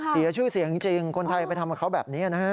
เสียชื่อเสียงจริงคนไทยไปทำกับเขาแบบนี้นะฮะ